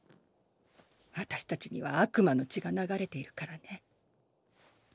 私たちには悪魔の血が流れているからね。